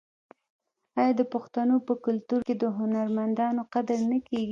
آیا د پښتنو په کلتور کې د هنرمندانو قدر نه کیږي؟